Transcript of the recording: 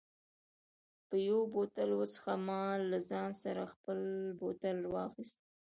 یو یو بوتل و څښه، ما له ځان سره خپل بوتل واخیست.